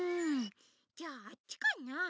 ・じゃああっちかな？